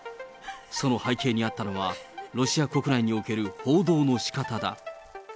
その背景にあったのは、ロシア国内における報道のしかただ。